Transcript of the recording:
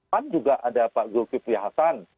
pan juga ada pak zulkifli hasan